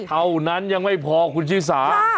เท่านั้นยังไม่พอคุณชิสา